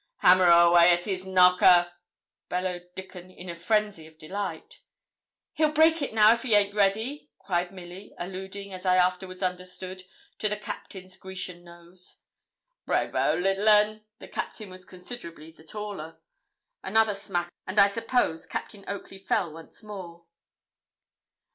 'Hammer away at his knocker,' bellowed Dickon, in a frenzy of delight. 'He'll break it now, if it ain't already,' cried Milly, alluding, as I afterwards understood, to the Captain's Grecian nose. 'Brayvo, little un!' The Captain was considerably the taller. Another smack, and, I suppose, Captain Oakley fell once more.